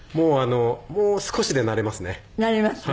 もう少しでなれますね。